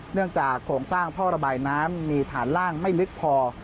เนื่องจากโครงสร้างท่อระบายน้ำมีฐานล่างไม่ลึกพอ